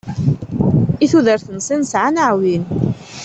I tudert-nsen sɛan aɛwin.